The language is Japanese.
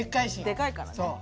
でかいからね。